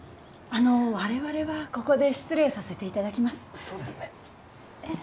あの我々はここで失礼させていただきますそうですねえっ？